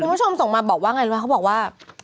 คุณผู้ชมส่งมาบอกว่าอย่างไรหรือเปล่าเขาบอกว่า